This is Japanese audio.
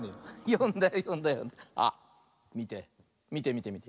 よんだよよんだよよんだよ。あっみてみてみてみて。